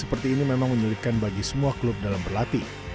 seperti ini memang menyulitkan bagi semua klub dalam berlatih